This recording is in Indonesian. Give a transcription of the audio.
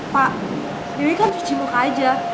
pak wiwi kan cuci muka aja